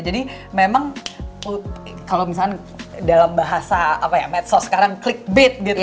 jadi memang kalau misalnya dalam bahasa medsos sekarang clickbait gitu